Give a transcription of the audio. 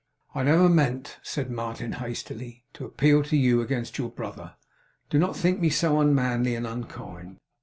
'I never meant,' said Martin, hastily, 'to appeal to you against your brother. Do not think me so unmanly and unkind.